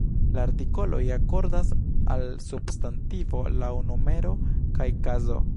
La artikoloj akordas al substantivo laŭ numero kaj kazo.